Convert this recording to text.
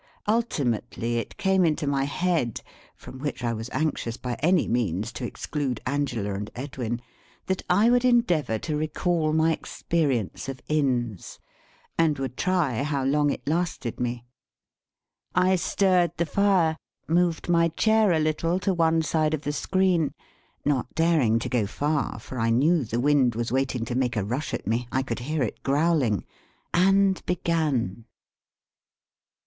Ultimately, it came into my head (from which I was anxious by any means to exclude Angela and Edwin), that I would endeavour to recall my experience of Inns, and would try how long it lasted me. I stirred the fire, moved my chair a little to one side of the screen, not daring to go far, for I knew the wind was waiting to make a rush at me, I could hear it growling, and began.